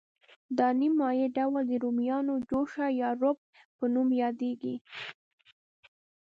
دا نیم مایع ډول د رومیانو جوشه یا روب په نوم یادیږي.